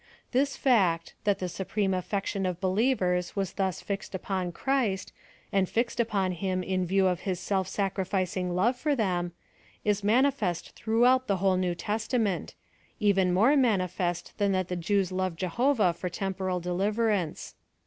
This fact, that the supreme affection of believers was thus hxel upon Christ, and fixed upon him in view of his sel f sacrificing love for them, is manifest through out the whole New Testament — even more mani fest than that the Jews loved Jehovah for temporal deliverance.